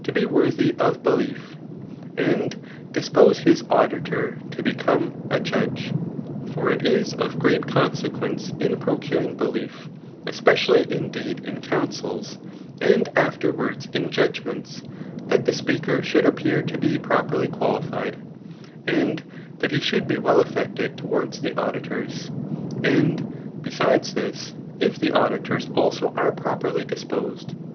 be worthy of beUef» and di^se Us auditor to become a judge. For it Jrist. VOL. I. G 98 THE ART OF BOOK II. 18 of great consequence in procuring belief, espedally indeed in counsels, and afterwards in judgments, that the speaker should appear to be properly qualified, and that he should be well aflFected towards the auditors ; and besides this, if the auditors also are properly disposed.